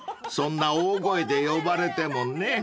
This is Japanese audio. そんな大声で呼ばれてもね］